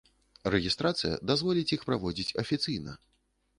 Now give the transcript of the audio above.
Рэгістрацыя дазволіць іх праводзіць афіцыйна.